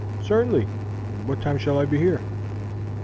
"Certainly. What time shall I be here?"